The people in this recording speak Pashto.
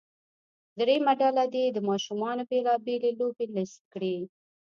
دریمه ډله دې د ماشومانو بیلا بېلې لوبې لیست کړي.